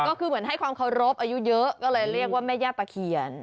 ก็คือเหมือนให้ความเคารพอายุเยอะก็เลยเรียกว่าแม่ย่าตะเขียน